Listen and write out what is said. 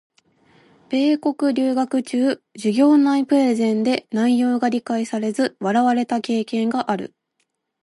米国留学中、授業内プレゼンで内容が理解されず笑われた経験がある。